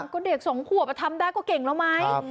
ก็เด็กสองขวบทำได้ก็เก่งแล้วไหม